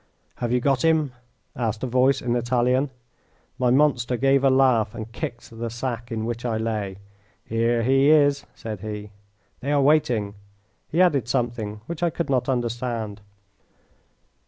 "Have you got him?" asked a voice, in Italian. My monster gave a laugh and kicked the sack in which I lay. "Here he is," said he. "They are waiting." He added something which I could not understand.